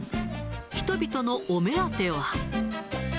人々のお目当ては。